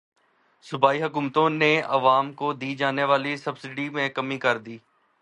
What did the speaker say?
صوبائی حکومتوں نے عوام کو دی جانے والی سبسڈی میں کمی کردی